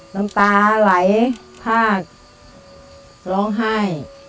น้ำตาไหลภาคร้องไห้